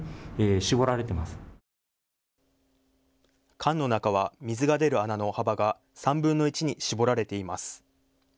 管の中は水が出る穴の幅が３分の１に絞られています。